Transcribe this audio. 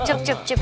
cukup cukup cukup